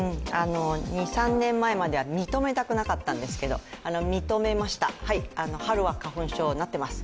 ２３年前までは認めたくなかったんですけど認めました、春は花粉症になっています。